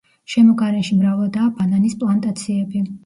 შემოგარენში მრავლადაა ბანანის პლანტაციები.